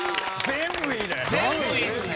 全部いいっすね！